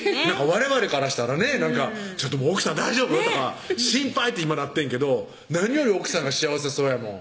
われわれからしたらね奥さん大丈夫？とか心配！って今なってんけど何より奥さんが幸せそうやもん